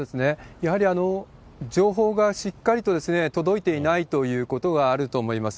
やはり情報がしっかりと届いていないということがあると思います。